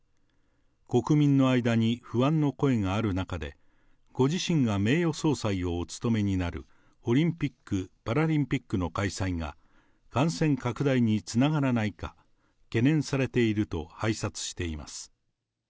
国民の間に不安の声がある中で、ご自身が名誉総裁をお務めになるオリンピック・パラリンピックの開催が感染拡大につながらないか、懸念されていると拝察しています。